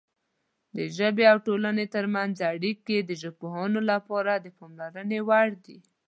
د ژبې او ټولنې ترمنځ اړیکې د ژبپوهانو لپاره د پاملرنې وړ دي.